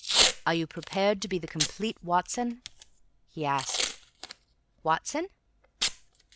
"Are you prepared to be the complete Watson?" he asked. "Watson?"